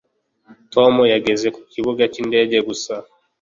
tom yageze ku kibuga cyindege gusa